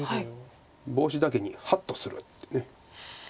ボウシだけに「ハッと」するって。